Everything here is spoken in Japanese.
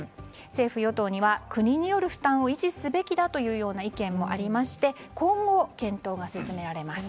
政府・与党には、国による負担を維持すべきだというような意見もありまして今後、検討が進められます。